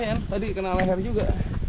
tadi kena leher juga